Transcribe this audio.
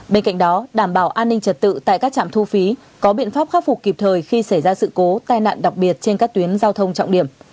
bên cạnh đó đảm bảo an ninh trật tự tại các trạm thu phí có biện pháp khắc phục kịp thời khi xảy ra sự cố tai nạn đặc biệt trên các tuyến giao thông trọng điểm